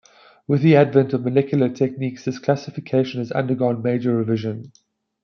With the advent of molecular techniques this classification has undergone major revision.